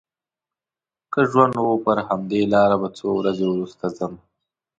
که ژوند و پر همدې لاره به څو ورځې وروسته ځم.